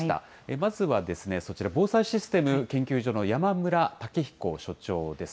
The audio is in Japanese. まずは、そちら、防災システム研究所の山村武彦所長です。